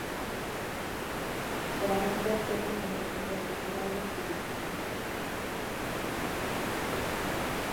Grabando el tema con el que se recaudaron fondos.